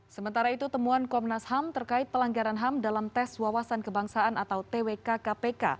sementara itu temuan komnas ham terkait pelanggaran ham dalam tes wawasan kebangsaan atau twk kpk